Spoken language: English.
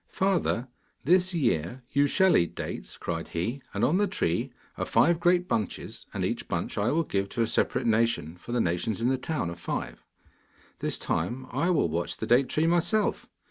'Father, this year you shall eat dates,' cried he. 'And on the tree are five great bunches, and each bunch I will give to a separate nation, for the nations in the town are five. This time, I will watch the date tree myself.